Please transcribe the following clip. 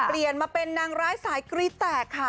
เปลี่ยนมาเป็นนางร้ายสายกรี๊ดแตกค่ะ